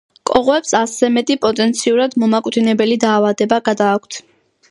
კოღოებს ასზე მეტი პოტენციურად მომაკვდინებელი დაავადება გადააქვთ